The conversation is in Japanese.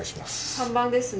３番ですね。